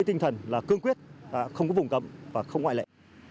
tinh thần là cương quyết không có vùng cấm và không ngoại lệ